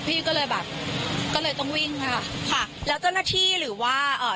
พี่ก็เลยแบบก็เลยต้องวิ่งค่ะค่ะแล้วเจ้าหน้าที่หรือว่าเอ่อ